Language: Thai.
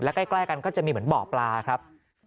ใกล้กันก็จะมีเหมือนบ่อปลาครับ